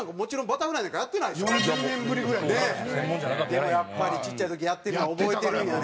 でもやっぱりちっちゃい時やってるから覚えてるんやね。